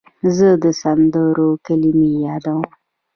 زه د سندرو کلمې یادوم.